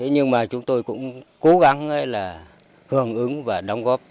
nhưng mà chúng tôi cũng cố gắng là hưởng ứng và đóng góp